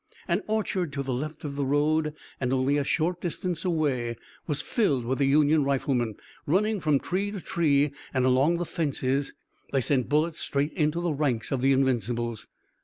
An orchard to the left of the road and only a short distance away was filled with the Union riflemen. Running from tree to tree and along the fences they sent bullets straight into the ranks of the Invincibles.